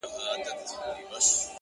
ستا له غزلونو زړه روغ پاته نه دی”